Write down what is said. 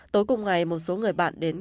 tối cùng ngày một số người bạn đến